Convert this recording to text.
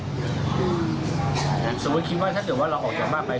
สมมุติคิดว่าถ้าเกิดว่าเราออกจากบ้านไป